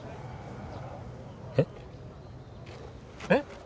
えっ？えっ！？